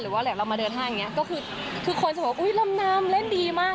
ว่าแหล่งเรามาเดินห้างอย่างนี้ก็คือคนจะบอกว่าอุ๊ยลำน้ำเล่นดีมาก